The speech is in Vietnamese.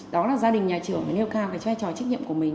đó là gia đình nhà trưởng phải nêu cao vai trò trách nhiệm của mình